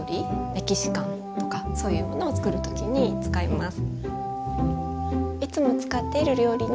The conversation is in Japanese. メキシカンとかそういうものをつくる時に使います。